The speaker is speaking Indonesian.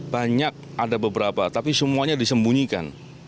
banyak ada beberapa tapi semuanya disembunyikan